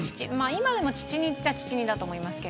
今でも父似っちゃ父似だと思いますけど。